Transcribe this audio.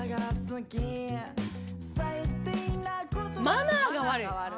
「マナーが悪い」。